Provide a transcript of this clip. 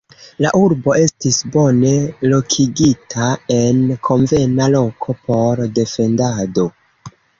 La urbo estis bone lokigita en konvena loko por defendado.